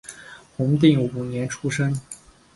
弘定五年出生。